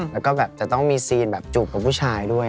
แล้วก็แบบจะต้องมีซีนแบบจูบกับผู้ชายด้วย